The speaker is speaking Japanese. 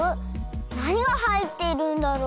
なにがはいっているんだろう？